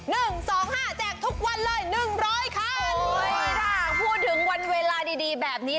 หนึ่งสองห้าแจกทุกวันเลยหนึ่งร้อยคันโอ้ยถ้าพูดถึงวันเวลาดีดีแบบนี้